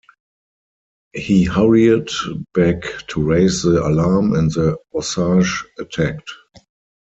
He hurried back to raise the alarm and the Osage attacked.